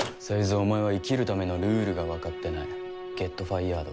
お前は生きるためのルールが分かってないゲットファイヤード